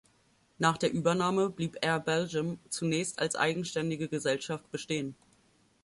Nach der Übernahme blieb "Air Belgium" zunächst als eigenständige Gesellschaft bestehen.